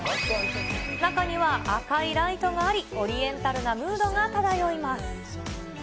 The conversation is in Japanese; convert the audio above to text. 中には赤いライトがあり、オリエンタルなムードが漂います。